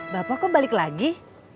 bapak kok balik lagi